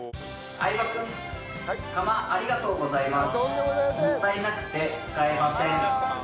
相葉君釜ありがとうございます。